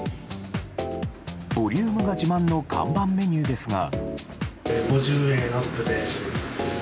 ボリュームが自慢の看板メニューですが。